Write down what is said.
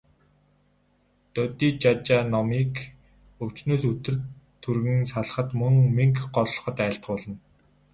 Додижажаа номыг өвчнөөс үтэр түргэн салахад, мөн мэнгэ голлоход айлтгуулна.